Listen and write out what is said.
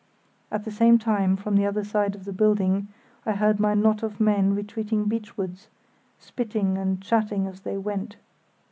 At the same time, from the other side of the building, I heard my knot of men retreating beachwards, spitting and chatting as they went.